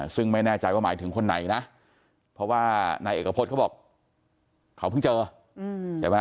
ซึ่งไม่แน่ใจว่าหมายถึงคนไหนนะเพราะว่านายเอกพฤษเขาบอกเขาเพิ่งเจอใช่ไหม